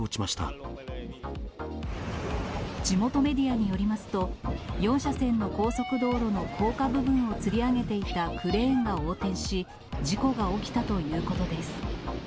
地元メディアによりますと、４車線の高速道路の高架部分をつり上げていたクレーンが横転し、事故が起きたということです。